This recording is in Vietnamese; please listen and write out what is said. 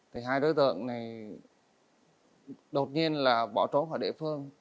thì hai đối tượng này đột nhiên là bỏ trốn khỏi địa phương